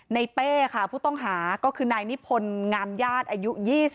เป้ค่ะผู้ต้องหาก็คือนายนิพนธ์งามญาติอายุ๒๕